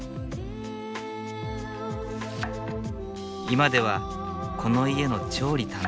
今ではこの家の調理担当。